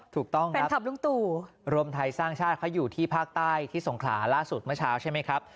ถูกต้องครับแฟนคลับลุงตู่รวมไทยสร้างชาติเขาอยู่ที่ภาคใต้ที่สงขลาล่าสุดเมื่อเช้าใช่ไหมครับ